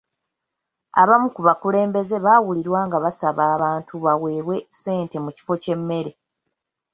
Abamu ku bakulembeze baawulirwa nga basaba abantu baweebwe ssente mu kifo ky'emmere.